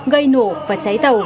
gây nổ và cháy tàu